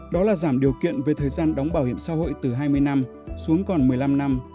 đó là giảm điều kiện về thời gian đóng bảo hiểm xã hội từ hai mươi năm xuống còn một mươi năm năm